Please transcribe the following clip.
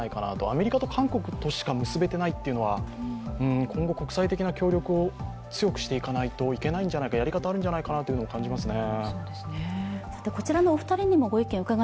アメリカと韓国としか結べていないというのは今後、国際的な協力を強くしていかないといけないんじゃないか、やり方あるんじゃないかなと感じますね。